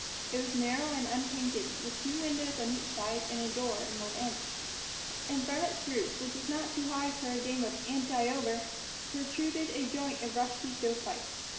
It was narrow and unpainted, with two windows on each side and a door in one end. And from its roof, which was not too high for a game of "anti I over," protruded a joint of rusty stovepipe.